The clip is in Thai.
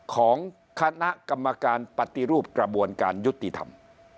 ของคณะกรรมการปฏิรูปกระบวนการยุติธรรม